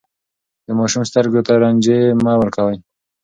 د ماشوم سترګو ته رنجې مه ورکوئ.